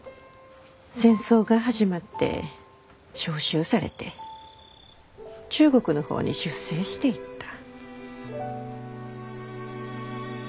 戦争が始まって召集されて中国の方に出征していった。